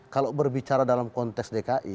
kalau berbicara dalam konteks dki